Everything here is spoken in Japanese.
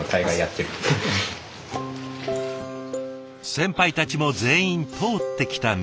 先輩たちも全員通ってきた道。